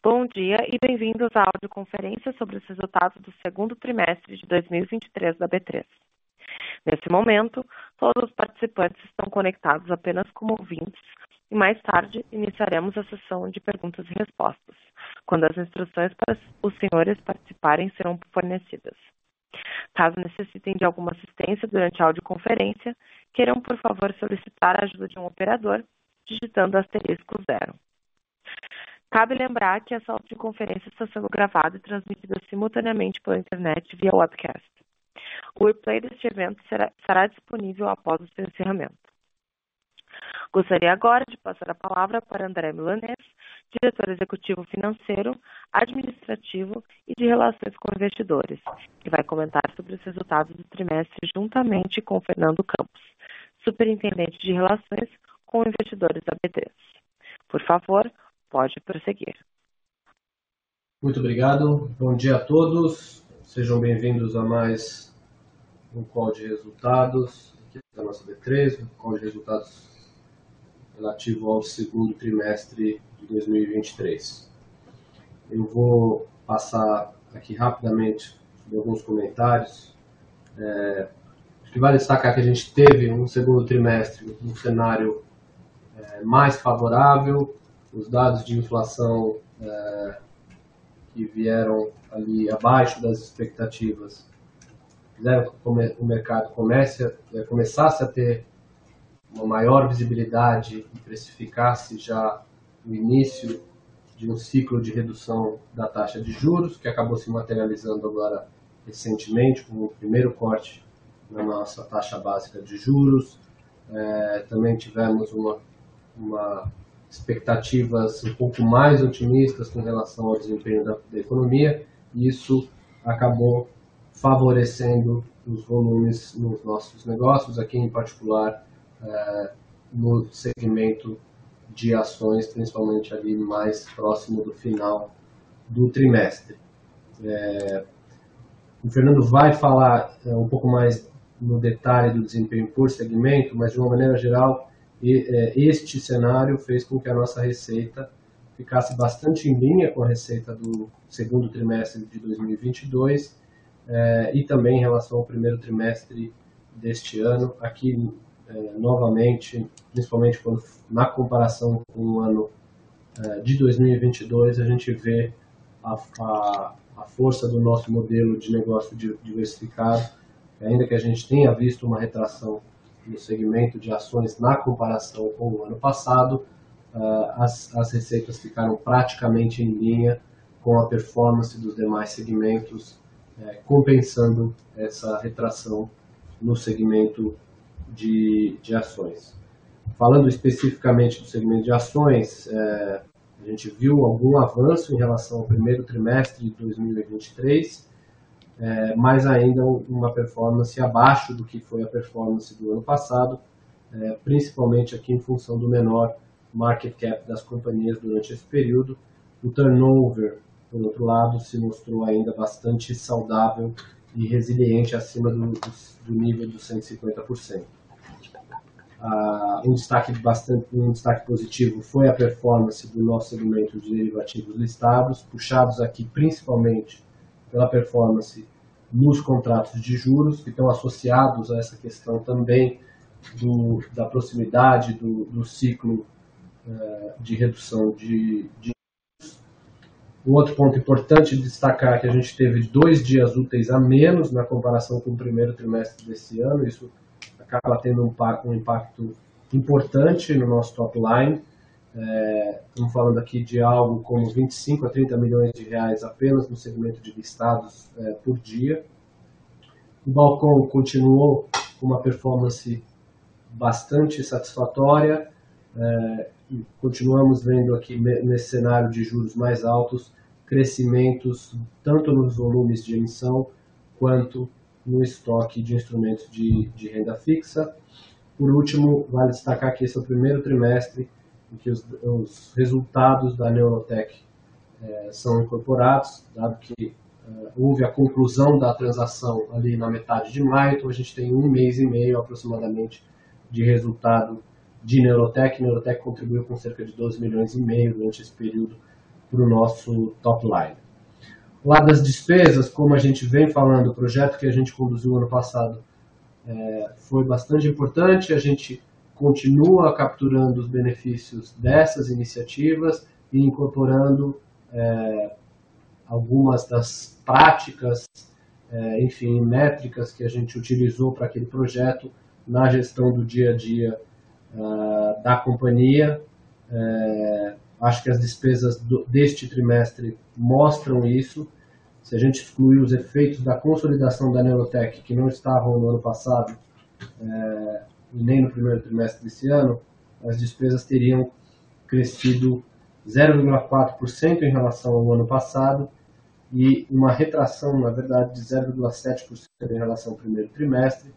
Bom dia e bem-vindos à audioconferência sobre os resultados do segundo trimestre de 2023 da B3. Nesse momento, todos os participantes estão conectados apenas como ouvintes, e mais tarde iniciaremos a sessão de perguntas e respostas, quando as instruções para os senhores participarem serão fornecidas. Caso necessitem de alguma assistência durante a audioconferência, queiram, por favor, solicitar a ajuda de um operador, digitando *0. Cabe lembrar que essa audioconferência está sendo gravada e transmitida simultaneamente pela internet, via webcast. O replay deste evento será disponível após o seu encerramento. Gostaria agora de passar a palavra para André Milanez, Diretor Executivo Financeiro, Administrativo e de Relações com Investidores, que vai comentar sobre os resultados do trimestre, juntamente com Fernando Campos, Superintendente de Relações com Investidores da B3. Por favor, pode prosseguir. Muito obrigado. Bom dia a todos. Sejam bem-vindos a mais um call de resultados da nossa B3, um call de resultados relativo ao segundo trimestre de 2023. Vou passar aqui rapidamente alguns comentários. Acho que vale destacar que a gente teve um segundo trimestre com um cenário mais favorável, os dados de inflação que vieram abaixo das expectativas, o mercado começou a ter uma maior visibilidade e precificou já o início de um ciclo de redução da taxa de juros, que acabou se materializando agora recentemente, com o primeiro corte na nossa taxa básica de juros. Também tivemos expectativas um pouco mais otimistas com relação ao desempenho da economia, e isso acabou favorecendo os volumes nos nossos negócios, aqui, em particular, no segmento de ações, principalmente mais próximo do final do trimestre. O Fernando vai falar um pouco mais no detalhe do desempenho por segmento, mas de uma maneira geral, este cenário fez com que a nossa receita ficasse bastante em linha com a receita do segundo trimestre de 2022, e também em relação ao primeiro trimestre deste ano. Aqui, novamente, principalmente na comparação com o ano de 2022, a gente vê a força do nosso modelo de negócio diversificado, ainda que a gente tenha visto uma retração no segmento de ações, na comparação com o ano passado, as receitas ficaram praticamente em linha com a performance dos demais segmentos, compensando essa retração no segmento de ações. Falando especificamente do segmento de ações, a gente viu algum avanço em relação ao primeiro trimestre de 2023, mas ainda uma performance abaixo do que foi a performance do ano passado, principalmente aqui, em função do menor market cap das companhias durante esse período. O turnover, por outro lado, se mostrou ainda bastante saudável e resiliente, acima do nível dos 150%. Um destaque positivo foi a performance do nosso segmento de derivativos listados, puxados aqui, principalmente, pela performance nos contratos de juros, que estão associados a essa questão também da proximidade do ciclo de redução. Um outro ponto importante a destacar é que a gente teve dois dias úteis a menos, na comparação com o primeiro trimestre desse ano, isso acaba tendo um impacto importante no nosso top line. Estamos falando aqui de algo como R$25 a R$30 milhões, apenas no segmento de listados, por dia. O balcão continuou com uma performance bastante satisfatória, e continuamos vendo, nesse cenário de juros mais altos, crescimentos tanto nos volumes de emissão quanto no estoque de instrumentos de renda fixa. Por último, vale destacar que esse é o primeiro trimestre em que os resultados da Neurotech são incorporados, dado que houve a conclusão da transação ali na metade de maio. Então a gente tem um mês e meio, aproximadamente, de resultado de Neurotech. Neurotech contribuiu com cerca de R$12,5 milhões durante esse período, pro nosso top line. Lá nas despesas, como a gente vem falando, o projeto que a gente conduziu o ano passado foi bastante importante. A gente continua capturando os benefícios dessas iniciativas e incorporando algumas das práticas, enfim, métricas que a gente utilizou para aquele projeto, na gestão do dia a dia da companhia. Acho que as despesas deste trimestre mostram isso. Se a gente excluir os efeitos da consolidação da Neurotech, que não estavam no ano passado e nem no primeiro trimestre desse ano, as despesas teriam crescido 0,4% em relação ao ano passado e uma retração, na verdade, de 0,7% em relação ao primeiro trimestre,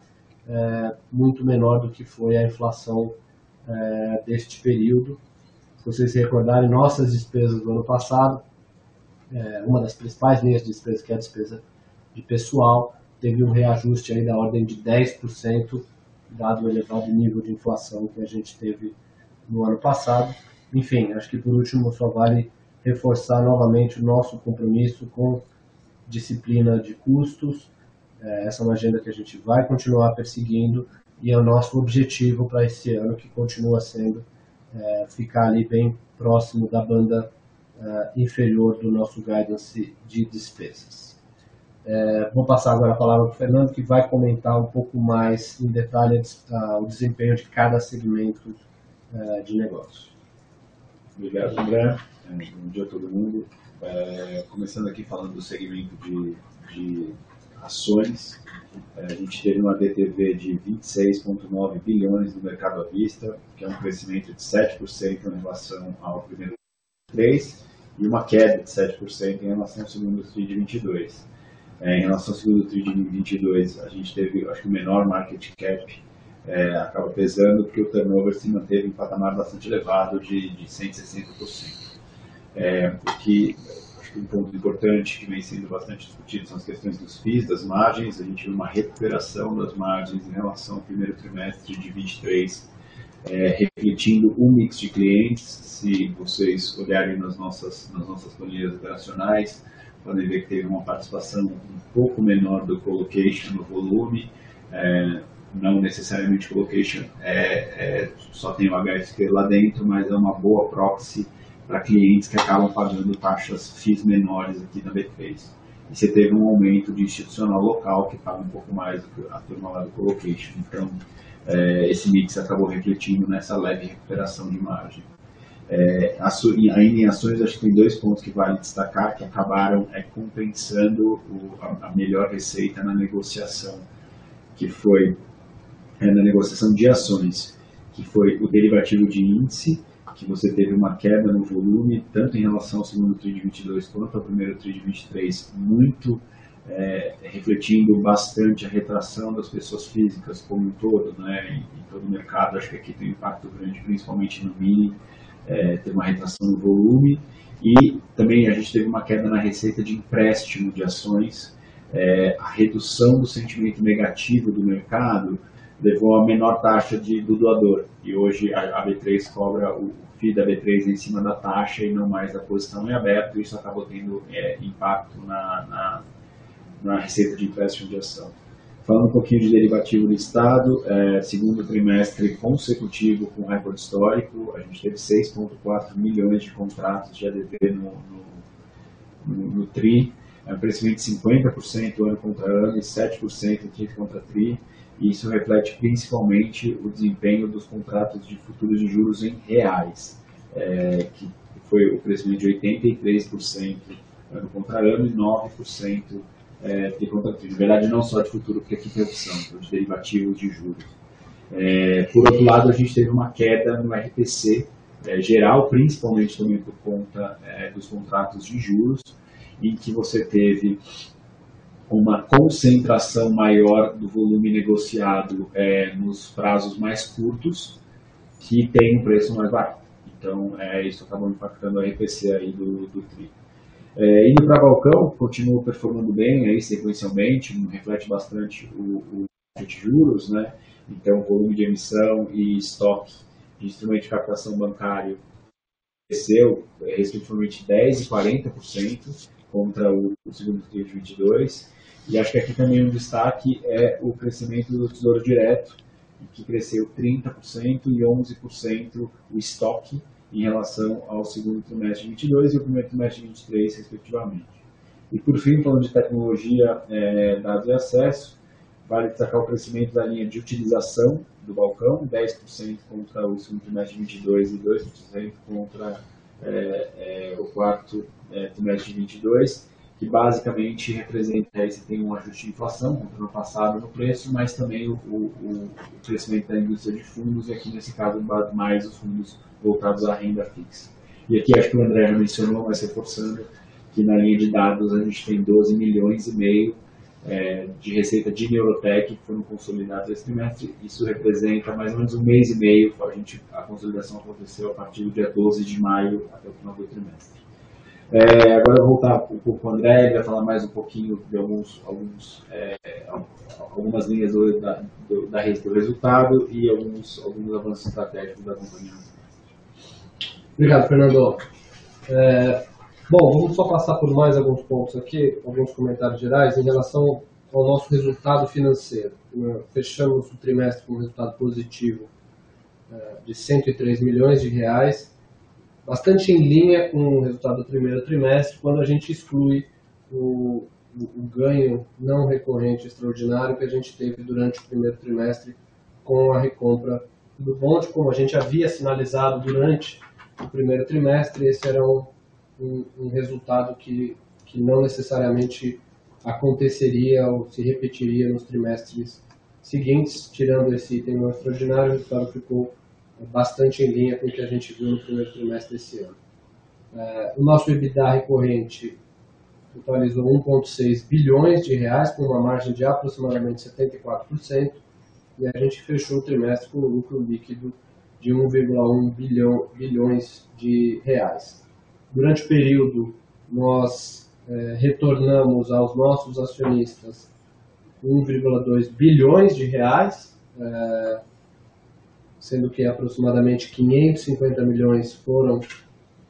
muito menor do que foi a inflação deste período. Se vocês recordarem, nossas despesas do ano passado, uma das principais linhas de despesa, que é a despesa de pessoal, teve um reajuste da ordem de 10%, dado o elevado nível de inflação que a gente teve no ano passado. Enfim, acho que por último, só vale reforçar novamente o nosso compromisso com disciplina de custos. Essa é uma agenda que a gente vai continuar perseguindo e é o nosso objetivo para esse ano, que continua sendo ficar ali bem próximo da banda inferior do nosso guidance de despesas. Vou passar agora a palavra para o Fernando, que vai comentar um pouco mais em detalhe o desempenho de cada segmento de negócio. Obrigado, André. Bom dia a todo mundo. Começando aqui falando do segmento de ações, a gente teve uma DTV de R$26,9 bilhões no mercado à vista, que é um crescimento de 7% em relação ao primeiro trimestre, e uma queda de 7% em relação ao segundo trimestre de 2022. Em relação ao segundo trimestre de 2022, a gente teve o menor market cap, o que acaba pesando, porque o turnover se manteve em um patamar bastante elevado de 160%. Um ponto importante, que vem sendo bastante discutido, são as questões dos fees, das margens. A gente viu uma recuperação das margens em relação ao primeiro trimestre de 2023, refletindo o mix de clientes. Se vocês olharem nas nossas planilhas operacionais, podem ver que teve uma participação um pouco menor do colocation no volume. Não necessariamente colocation, só tem o HSBC lá dentro, mas é uma boa proxy para clientes que acabam pagando fees menores aqui na B3. Você teve um aumento de institucional local, que paga um pouco mais do que a turma lá do colocation. Esse mix acabou refletindo nessa leve recuperação de margem. Ainda em ações, acho que tem dois pontos que vale destacar, que acabaram compensando a melhor receita na negociação de ações, que foi o derivativo de índice, que teve uma queda no volume, tanto em relação ao segundo trimestre de 2022, quanto ao primeiro trimestre de 2023, refletindo bastante a retração das pessoas físicas como um todo no mercado. Acho que aqui tem impacto grande, principalmente no mini, tem uma retração no volume e também a gente teve uma queda na receita de empréstimo de ações. A redução do sentimento negativo do mercado levou à menor taxa do doador, e hoje a B3 cobra o fee da B3 em cima da taxa e não mais da posição em aberto, isso acabou tendo impacto na receita de empréstimo de ação. Falando um pouquinho de derivativo listado, é o segundo trimestre consecutivo com recorde histórico: a gente teve 6,4 milhões de contratos de ADP no tri, um crescimento de 50% ano contra ano e 7% tri contra tri, e isso reflete principalmente o desempenho dos contratos de futuros de juros em reais, que foi o crescimento de 83% ano contra ano e 9% tri contra tri. Na verdade, não só de futuro, porque aqui tem opção de derivativo de juros. Por outro lado, a gente teve uma queda no RPC geral, principalmente por conta dos contratos de juros, em que você teve uma concentração maior do volume negociado nos prazos mais curtos, que tem um preço mais barato. Isso acabou impactando o RPC do tri. Indo para o balcão, continuou performando bem sequencialmente, reflete bastante o de juros. Então o volume de emissão e estoque de instrumento de captação bancário cresceu, respectivamente, 10% e 40% contra o segundo trimestre de 2022. Aqui também um destaque é o crescimento do Tesouro Direto, que cresceu 30% e 11% o estoque, em relação ao segundo trimestre de 2022 e o primeiro trimestre de 2023, respectivamente. Por fim, falando de tecnologia, dados e acesso, vale destacar o crescimento da linha de utilização do balcão, 10% contra o segundo trimestre de 2022 e 2% contra o quarto trimestre de 2022, que basicamente representa um ajuste de inflação, ano passado, no preço, mas também o crescimento da indústria de fundos, e aqui, nesse caso, mais os fundos voltados à renda fixa. Acho que o André já mencionou, mas reforçando, que na linha de dados, a gente tem R$12,5 milhões de receita de Neurotech, que foram consolidados esse trimestre. Isso representa mais ou menos um mês e meio para a gente, a consolidação aconteceu a partir do dia 12 de maio até o final do trimestre. Agora vou voltar um pouco para o André, ele vai falar mais um pouquinho de algumas linhas do resultado e alguns avanços estratégicos da companhia. Obrigado, Fernando. Vamos passar por mais alguns pontos aqui, alguns comentários gerais em relação ao nosso resultado financeiro. Fechamos o trimestre com resultado positivo de R$103 milhões, bastante em linha com o resultado do primeiro trimestre, quando a gente exclui o ganho não recorrente extraordinário que a gente teve durante o primeiro trimestre com a recompra do bond. Como a gente havia sinalizado durante o primeiro trimestre, esse era um resultado que não necessariamente aconteceria ou se repetiria nos trimestres seguintes. Tirando esse item extraordinário, o resultado ficou bastante em linha com o que a gente viu no primeiro trimestre desse ano. O nosso EBITDA recorrente totalizou R$1,6 bilhões, com uma margem de aproximadamente 74%, e a gente fechou o trimestre com lucro líquido de R$1,1 bilhão de reais. Durante o período, retornamos aos nossos acionistas R$ 1,2 bilhões, sendo que aproximadamente R$ 550 milhões foram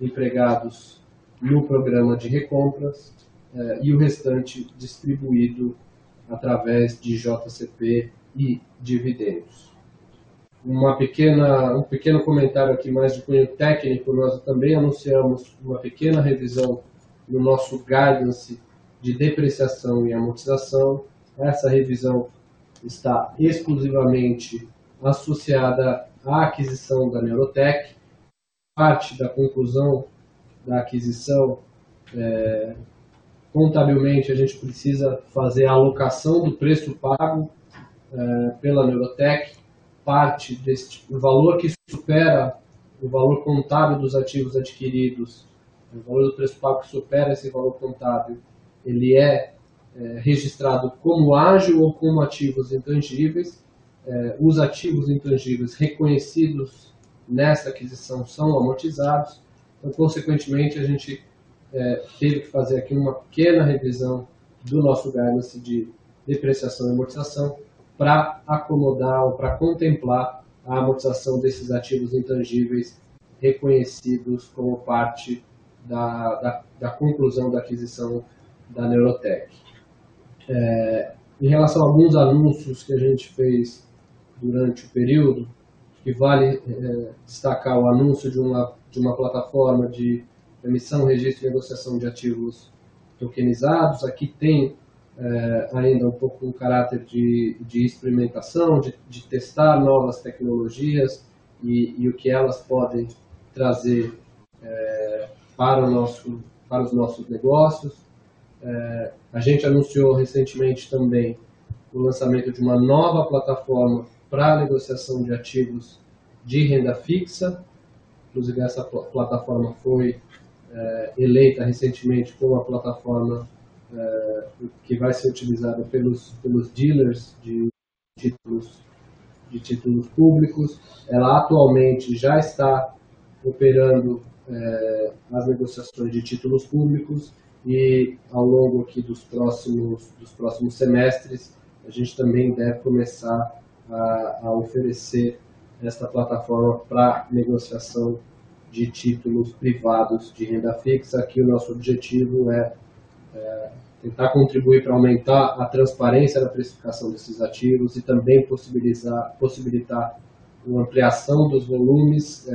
empregados no programa de recompras, e o restante distribuído através de JCP e dividendos. Um pequeno comentário aqui, mais de cunho técnico: nós também anunciamos uma pequena revisão no nosso guidance de depreciação e amortização. Essa revisão está exclusivamente associada à aquisição da Neurotech. Como parte da conclusão da aquisição, contabilmente, a gente precisa fazer a alocação do preço pago pela Neurotech. O valor que supera o valor contábil dos ativos adquiridos, o valor do preço pago que supera esse valor contábil, é registrado como ágio ou como ativos intangíveis. Os ativos intangíveis reconhecidos nessa aquisição são amortizados, então, consequentemente, a gente teve que fazer aqui uma pequena revisão do nosso guidance de depreciação e amortização, para acomodar ou para contemplar a amortização desses ativos intangíveis, reconhecidos como parte da conclusão da aquisição da Neurotech. Em relação a alguns anúncios que a gente fez durante o período, que vale destacar o anúncio de uma plataforma de emissão, registro e negociação de ativos tokenizados. Aqui tem ainda um pouco o caráter de experimentação, de testar novas tecnologias e o que elas podem trazer para os nossos negócios. A gente anunciou recentemente também o lançamento de uma nova plataforma para negociação de ativos de renda fixa. Inclusive, essa plataforma foi eleita recentemente como a plataforma que vai ser utilizada pelos dealers de títulos públicos. Ela atualmente já está operando nas negociações de títulos públicos e ao longo dos próximos semestres, a gente também deve começar a oferecer esta plataforma para negociação de títulos privados de renda fixa. Aqui, o nosso objetivo é tentar contribuir para aumentar a transparência na precificação desses ativos e também possibilitar uma ampliação dos volumes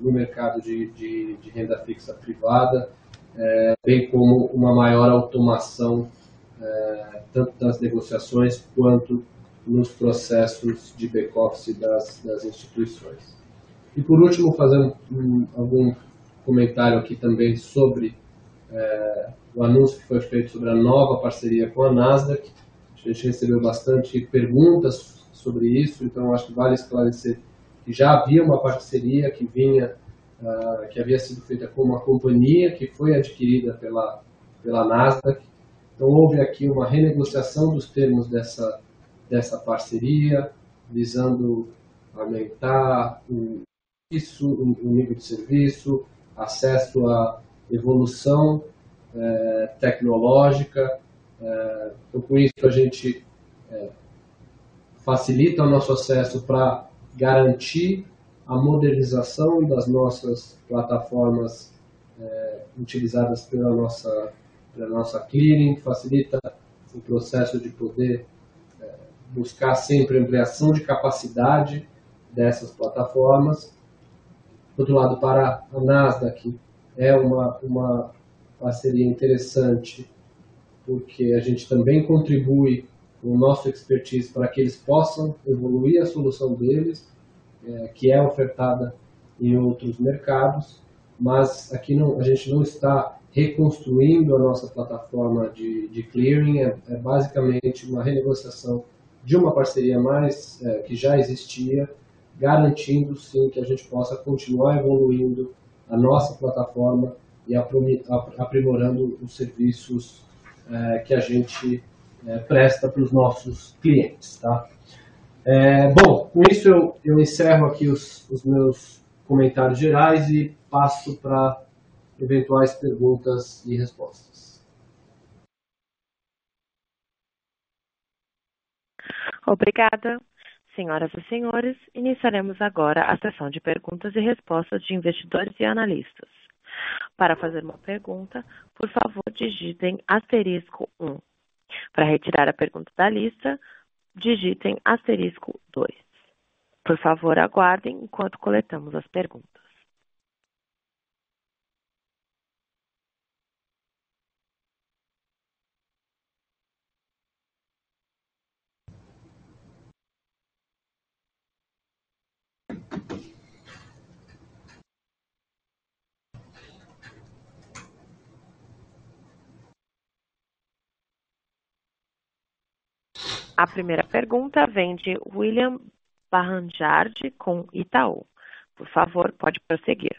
no mercado de renda fixa privada, bem como uma maior automação, tanto das negociações quanto nos processos de backoffice das instituições. Por último, fazer algum comentário aqui também sobre o anúncio que foi feito sobre a nova parceria com a Nasdaq. A gente recebeu bastante perguntas sobre isso, então acho que vale esclarecer que já havia uma parceria que vinha sendo feita com uma companhia que foi adquirida pela Nasdaq. Houve aqui uma renegociação dos termos dessa parceria, visando aumentar o nível de serviço e o acesso à evolução tecnológica. Com isso, a gente facilita o nosso acesso para garantir a modernização das nossas plataformas utilizadas pela nossa clearing, e facilita o processo de buscar sempre a ampliação de capacidade dessas plataformas. Por outro lado, para a Nasdaq, é uma parceria interessante, porque a gente também contribui com o nosso expertise para que eles possam evoluir a solução deles, que é ofertada em outros mercados. Mas aqui, não, a gente não está reconstruindo a nossa plataforma de clearing, é basicamente uma renegociação de uma parceria que já existia, garantindo, sim, que a gente possa continuar evoluindo a nossa plataforma e aprimorando os serviços que a gente presta pros nossos clientes. Bom, com isso, eu encerro aqui os meus comentários gerais e passo para eventuais perguntas e respostas. Obrigada! Senhoras e senhores, iniciaremos agora a sessão de perguntas e respostas de investidores e analistas. Para fazer uma pergunta, por favor, digitem asterisco um. Para retirar a pergunta da lista, digitem asterisco dois. Por favor, aguardem enquanto coletamos as perguntas. A primeira pergunta vem de William Baranjard, com Itaú. Por favor, pode prosseguir.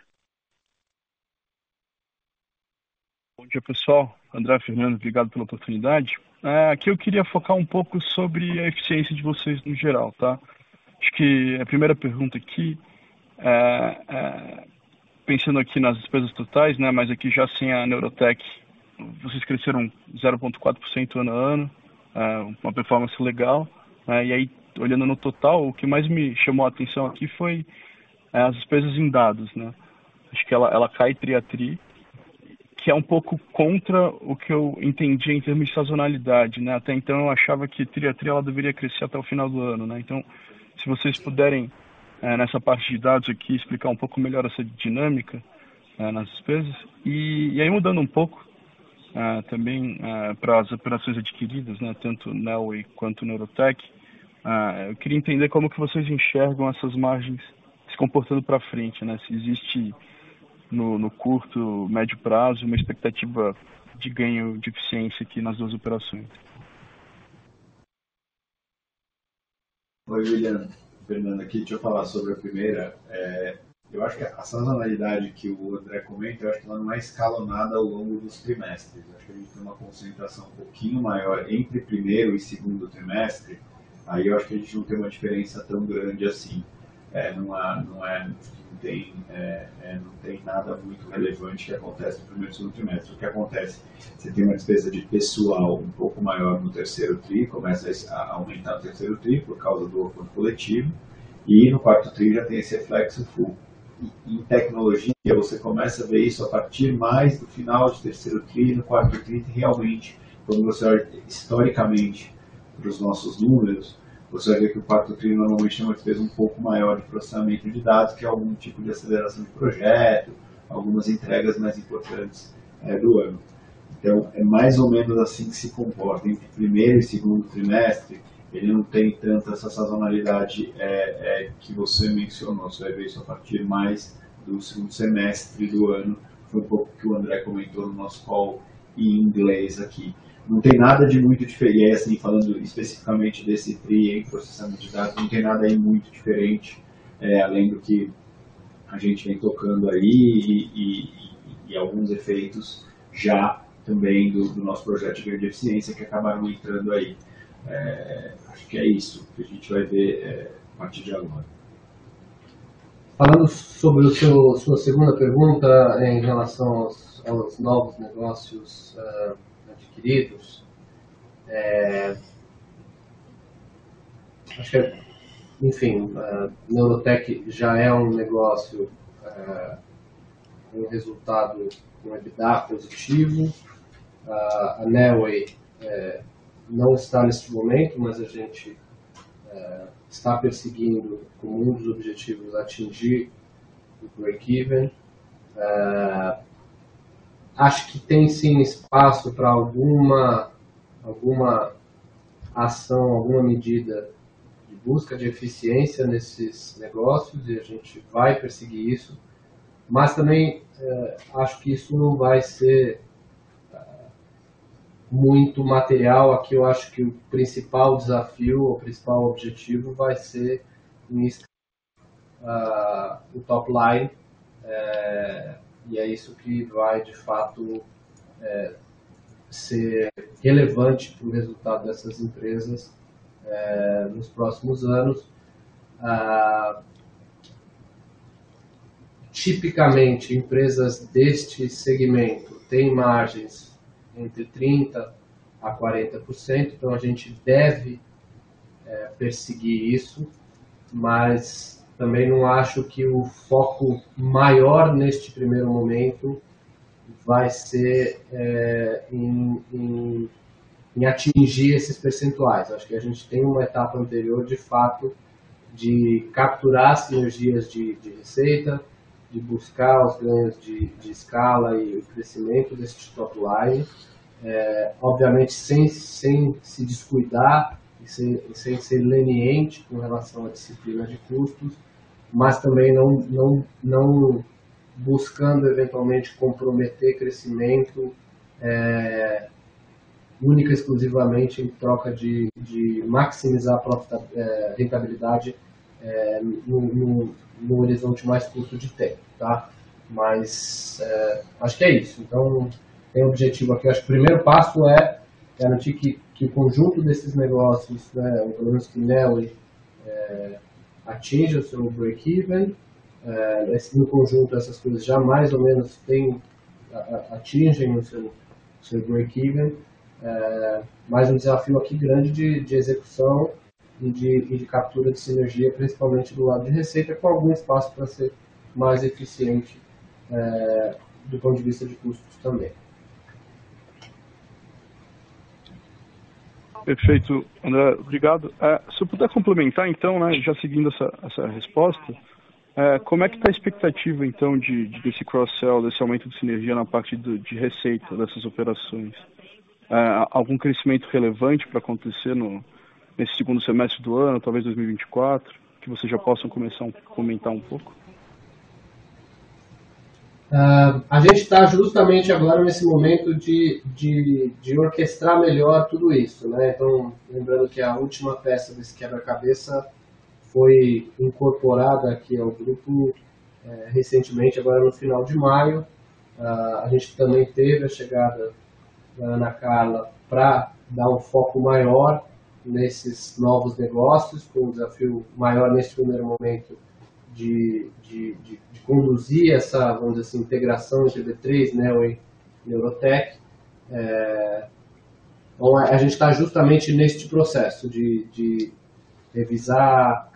Bom dia, pessoal. André, Fernando, obrigado pela oportunidade. Aqui eu queria focar um pouco sobre a eficiência de vocês no geral. Pensando nas despesas totais, mas aqui já sem a Neurotech, vocês cresceram 0,4% ano a ano, uma performance legal. Olhando no total, o que mais me chamou a atenção foi as despesas em dados. Acho que ela cai tri a tri, que é um pouco contra o que eu entendia em termos de sazonalidade. Até então, eu achava que tri a tri ela deveria crescer até o final do ano. Então, se vocês puderem, nessa parte de dados, explicar um pouco melhor essa dinâmica nas despesas. Mudando um pouco, também para as operações adquiridas, tanto Neoway quanto Neurotech, eu queria entender como vocês enxergam essas margens se comportando para frente. Se existe, no curto e médio prazo, uma expectativa de ganho de eficiência nas duas operações. Oi, William, Fernando aqui. A sazonalidade que o André comenta é mais escalonada ao longo dos trimestres. A gente tem uma concentração um pouquinho maior entre o primeiro e o segundo trimestre, mas não tem uma diferença tão grande assim. Não tem nada muito relevante que acontece no primeiro e segundo trimestre. O que acontece é que você tem uma despesa de pessoal um pouco maior no terceiro trimestre, começa a aumentar no terceiro trimestre por causa do acordo coletivo, e no quarto trimestre já tem esse reflexo full. Em tecnologia, você começa a ver isso a partir mais do final do terceiro trimestre, no quarto trimestre, realmente. Quando você olha historicamente para os nossos números, você vai ver que o quarto trimestre normalmente tem uma despesa um pouco maior de processamento de dados, que é algum tipo de aceleração de projeto, algumas entregas mais importantes do ano. Então, é mais ou menos assim que se comporta. Entre o primeiro e o segundo trimestre, ele não tem tanto essa sazonalidade que você mencionou. Você vai ver isso a partir mais do segundo semestre do ano, foi um pouco o que o André comentou no nosso call em inglês aqui. Não tem nada de muito diferente, falando especificamente desse tri, em processamento de dados, não tem nada muito diferente, além do que a gente vem tocando, e alguns efeitos já também do nosso projeto de grande eficiência, que acabaram entrando. Acho que é isso que a gente vai ver a partir de agora. Falando sobre a sua segunda pergunta, em relação aos novos negócios adquiridos, acho que, enfim, a Neurotech já é um negócio com resultado no EBITDA positivo. A Neoway não está neste momento, mas a gente está perseguindo, como um dos objetivos, atingir o breakeven. Acho que tem, sim, espaço para alguma ação, alguma medida de busca de eficiência nesses negócios, e a gente vai perseguir isso, mas também acho que isso não vai ser muito material. Aqui, eu acho que o principal desafio ou o principal objetivo vai ser investir o top line, e é isso que vai, de fato, ser relevante para o resultado dessas empresas nos próximos anos. Tipicamente, empresas deste segmento têm margens entre 30% a 40%, então a gente deve perseguir isso, mas também não acho que o foco maior neste primeiro momento vai ser em atingir esses percentuais. Acho que a gente tem uma etapa anterior, de fato, de capturar sinergias de receita, de buscar os ganhos de escala e o crescimento destes top lines, obviamente, sem se descuidar, sem ser leniente com relação à disciplina de custos, mas também não buscando eventualmente comprometer crescimento única e exclusivamente em troca de maximizar a rentabilidade num horizonte mais curto de tempo. Mas acho que é isso. O objetivo aqui, acho que o primeiro passo é garantir que o conjunto desses negócios, os negócios da Neoway, atinja o seu breakeven. No conjunto, essas coisas já mais ou menos atingem o seu breakeven. Mas há um desafio grande de execução e de captura de sinergia, principalmente do lado de receita, com algum espaço para ser mais eficiente do ponto de vista de custos também. Perfeito, André, obrigado. Se eu puder complementar, já seguindo essa resposta, como está a expectativa desse cross-sell, desse aumento de sinergia na parte de receita dessas operações? Algum crescimento relevante para acontecer nesse segundo semestre do ano, talvez 2024, que vocês já possam começar a comentar um pouco? A gente tá justamente agora nesse momento de orquestrar melhor tudo isso. Lembrando que a última peça desse quebra-cabeça foi incorporada aqui ao grupo recentemente, agora no final de maio. A gente também teve a chegada da Ana Carla pra dar um foco maior nesses novos negócios, que é um desafio maior nesse primeiro momento, de conduzir essa, vamos dizer assim, integração GD3, Oi Neurotech. A gente tá justamente neste processo de revisar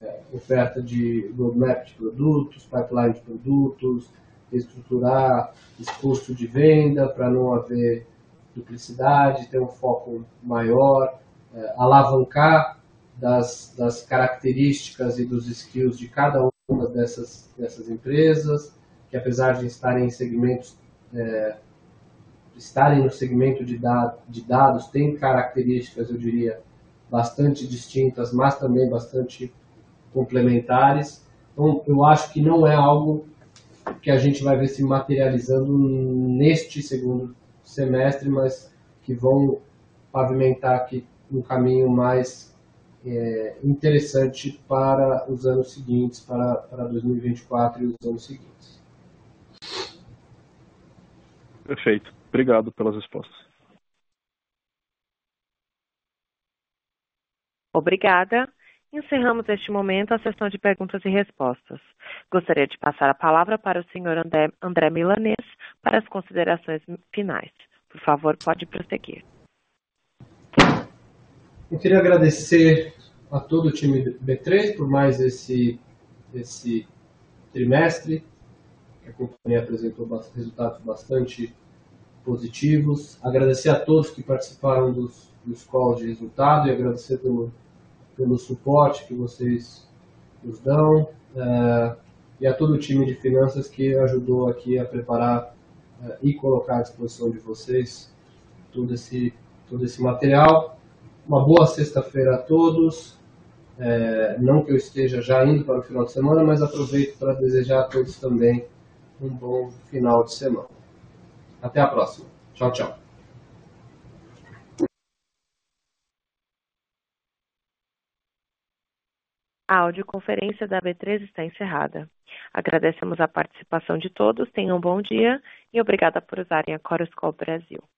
a oferta de roadmap de produtos, pipeline de produtos, reestruturar os custos de venda pra não haver duplicidade, ter um foco maior, alavancar das características e dos skills de cada uma dessas empresas, que apesar de estarem no segmento de dados, têm características, eu diria, bastante distintas, mas também bastante complementares. Não é algo que a gente vai ver se materializando neste segundo semestre, mas que vão pavimentar aqui um caminho mais interessante para os anos seguintes, para 2024 e os anos seguintes. Perfeito, obrigado pelas respostas. Obrigada. Encerramos neste momento a sessão de perguntas e respostas. Gostaria de passar a palavra para o senhor André Milanez para as considerações finais. Por favor, pode prosseguir. Eu queria agradecer a todo o time do B3, por mais esse trimestre. A companhia apresentou resultados bastante positivos. Agradecer a todos que participaram dos calls de resultado e agradecer pelo suporte que vocês nos dão. E a todo o time de Finanças, que ajudou aqui a preparar e colocar à disposição de vocês todo esse material. Uma boa sexta-feira a todos. Não que eu esteja já indo para o final de semana, mas aproveito para desejar a todos também um bom final de semana. Até a próxima! Tchau, tchau. A audioconferência da B3 está encerrada. Agradecemos a participação de todos. Tenha um bom dia e obrigada por usarem a Chorus Call Brasil.